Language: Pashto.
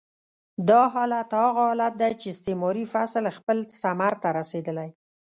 دا حالت هغه حالت دی چې استعماري فصل خپل ثمر ته رسېدلی.